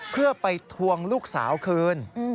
เพื่อไปทวงลูกสาวคืน